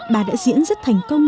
bà đã diễn rất thành công